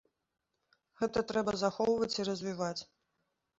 Гэта трэба захоўваць і развіваць.